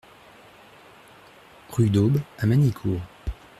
Rue d'Aube à Magnicourt